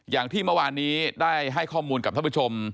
อย่างที่เมื่อวานนี้ได้ให้ข้อมูลกับท่านผู้ชม